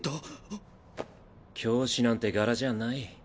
教師なんてガラじゃない。